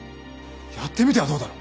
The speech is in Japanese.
やってみてはどうだろう。